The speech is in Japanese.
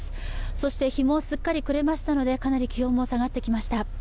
そして日もすっかり暮れましたので、かなり気温も下がってきました